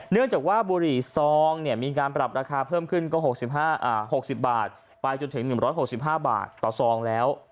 เนื่องจากว่าบุหรี่ซองมีการปรับราคาเพิ่มขึ้นก็๖๐บาทไปจนถึง๑๖๕บาทต่อซองแล้ว